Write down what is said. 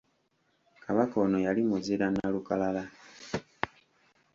Kabaka ono yali muzira nnalukalala.